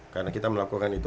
karena kita melakukan itu